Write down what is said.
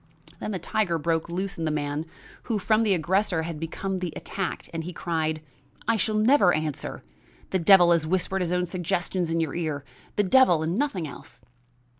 Then the tiger broke loose in the man who from the aggressor had become the attacked, and he cried: "I shall never answer; the devil has whispered his own suggestions in your ear; the devil and nothing else."